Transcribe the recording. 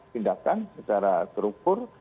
tindakan secara terukur